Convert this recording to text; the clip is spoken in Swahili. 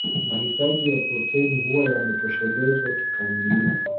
Mahitaji ya protini huwa yametoshelezwa kikamilifu